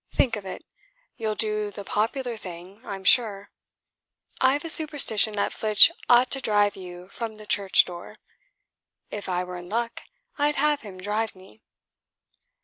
Think of it; you'll do the popular thing, I'm sure. I've a superstition that Flitch ought to drive you from the church door. If I were in luck, I'd have him drive me."